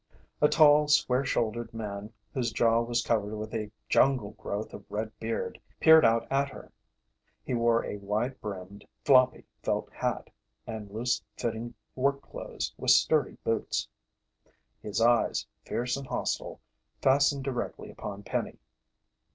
A tall, square shouldered man whose jaw was covered with a jungle growth of red beard, peered out at her. He wore a wide brimmed, floppy, felt hat and loose fitting work clothes with sturdy boots. His eyes, fierce and hostile, fastened directly upon Penny.